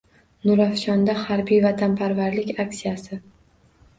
Nurafshonda harbiy-vatanparvarlik aksiyasi